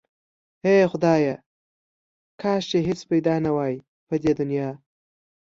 هی خدایا کاش چې هیڅ پیدا نه واي په دی دنیا